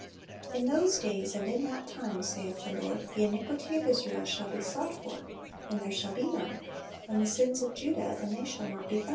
"In those days, and in that time, saith the Lord, the iniquity of Israel shall be sought for, and there shall be none; and the sins of Judah, and they shall not be found.